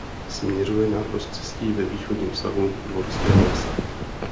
Směřuje na rozcestí ve východním svahu Dvorského lesa.